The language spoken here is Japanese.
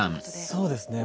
そうですね